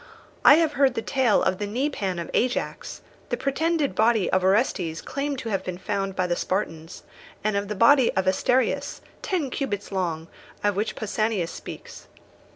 I have heard the tale of the kneepan of Ajax, the pretended body of Orestes claimed to have been found by the Spartans, and of the body of Asterius, ten cubits long, of which Pausanias speaks.